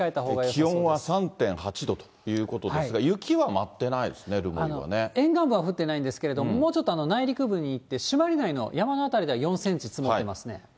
気温は３．８度ということですが、雪は舞ってないですね、沿岸部は降ってないんですけれども、もうちょっと内陸部に行って、朱鞠内の山辺りは４センチ積もってますね。